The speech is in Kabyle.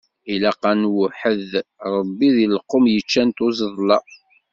Ilaq ad nweḥḥed Ṛebbi, deg lqum yeččan tuẓeḍla.